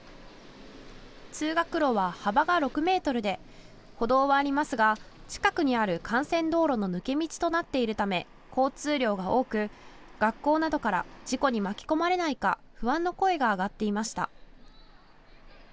通学路は幅が６メートルで歩道はありますが近くにある幹線道路の抜け道となっているため交通量が多く学校などから事故に巻き込まれないか不安の声が上がっていました。